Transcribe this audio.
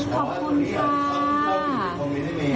ขอบคุณค่ะ